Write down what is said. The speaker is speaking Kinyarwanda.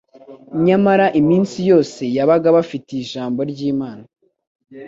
nyamara iminsi yose yabaga abafitiye Ijambo ry'Imana.